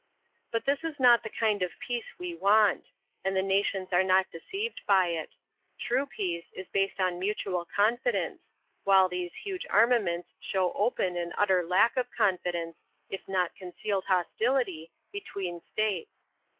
"But this is not the kind of peace we want. And the nations are not deceived by it. True peace is based on mutual confidence, while these huge armaments show open and utter lack of confidence, if not concealed hostility, between states.